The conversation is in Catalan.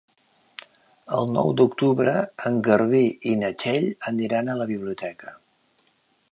El nou d'octubre en Garbí i na Txell aniran a la biblioteca.